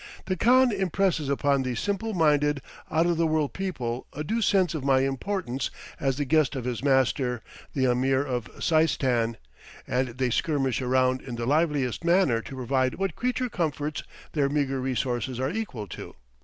The khan impresses upon these simple minded, out of the world people a due sense of my importance as the guest of his master, the Ameer of Seistan, and they skirmish around in the liveliest manner to provide what creature comforts their meagre resources are equal to.